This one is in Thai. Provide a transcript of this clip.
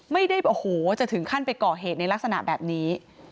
ไม่ได้โอ้โหจะถึงขั้นไปก่อเหตุในลักษณะแบบนี้